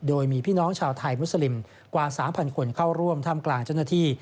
โดยมีพี่น้องชาวไทยมุสลิมกว่า๓๐๐คนเข้าร่วมท่ามกลางเจ้าหน้าที่